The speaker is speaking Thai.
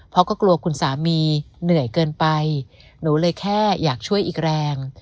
เพราะก็กลัวคุณสามีเหนื่อยเกินไปหนูเลยแค่อยากช่วยอีกแรง